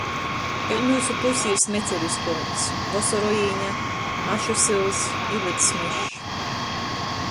Vēļ myusu pusē ir Smeceris kolns, Vosorojīne, Ašu syls i Vyds mežs.